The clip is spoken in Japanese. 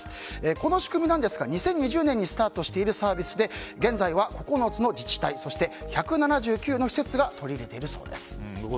この仕組みなんですが２０２２年にスタートしているサービスで現在は９つの自治体そして１７９の施設が取り入れているそうです。